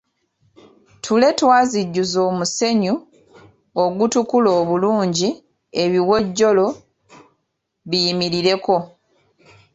Ttule twazijjuza omusenyu ogutukula obulungi ebiwojjolo biyimirireko.